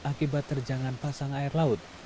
akibat terjangan pasang air laut